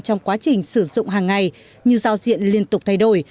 trong quá trình sử dụng hàng ngày như giao diện liên tục thay đổi